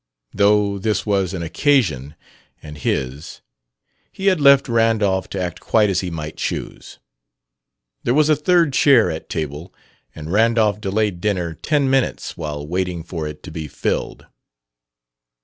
Though this was an "occasion," and his, he had left Randolph to act quite as he might choose. There was a third chair at table and Randolph delayed dinner ten minutes while waiting for it to be filled.